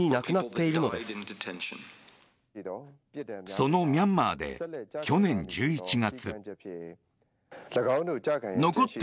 そのミャンマーで去年１１月。